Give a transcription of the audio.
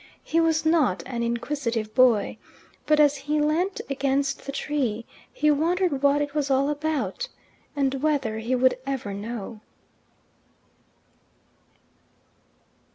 He was not an inquisitive boy; but as he leant against the tree he wondered what it was all about, and whether he would ever know.